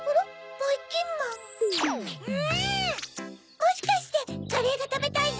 もしかしてカレーがたべたいの？